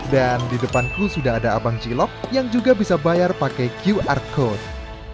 dan di depanku sudah ada abang cilok yang juga bisa bayar pakai qr code